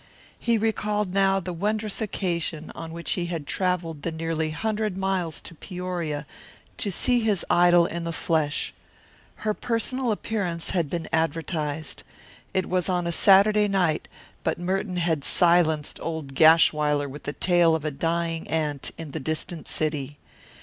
He recalled now the wondrous occasion on which he had travelled the nearly hundred miles to Peoria to see his idol in the flesh. Her personal appearance had been advertised. It was on a Saturday night, but Merton had silenced old Gashwiler with the tale of a dying aunt in the distant city.